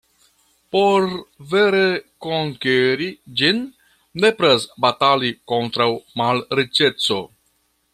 Por vere konkeri ĝin, nepras batali kontraŭ malriĉeco.